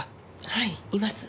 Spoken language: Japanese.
はいいます。